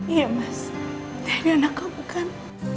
iya mas dia anak kamu kan